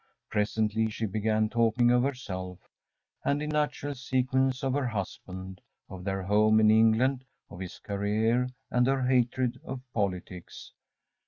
Presently she began talking of herself, and in natural sequence of her husband, of their home in England, of his career, and her hatred of politics.